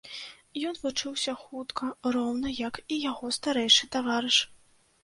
Ён вучыўся хутка, роўна як і яго старэйшы таварыш.